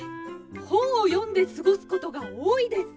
ほんをよんですごすことがおおいです。